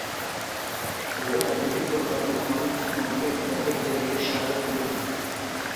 To'yda Odilbek va Fotimaxonim Ismoilga og'ir keladigan shartlar qo'ymagan